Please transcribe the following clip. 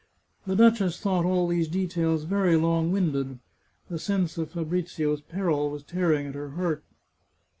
The duchess thought all these details very long winded. The sense of Fabrizio's peril was tearing at her heart.